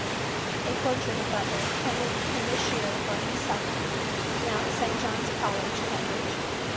A Portrait of Butler, painted in this year by himself, now at St. John's College, Cambridge.